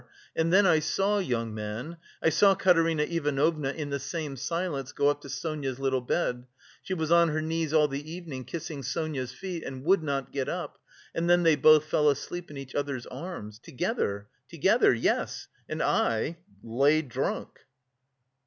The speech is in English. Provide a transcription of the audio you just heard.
And then I saw, young man, I saw Katerina Ivanovna, in the same silence go up to Sonia's little bed; she was on her knees all the evening kissing Sonia's feet, and would not get up, and then they both fell asleep in each other's arms... together, together... yes... and I... lay drunk."